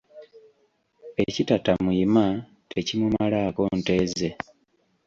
Ekitatta muyima, tekimumalaako nte ze.